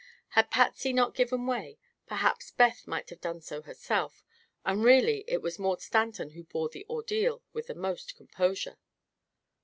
Had Patsy not given way, perhaps Beth might have done so herself, and really it was Maud Stanton who bore the ordeal with the most composure.